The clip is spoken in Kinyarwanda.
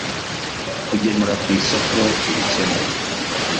kugemura ku isoko ibikenewe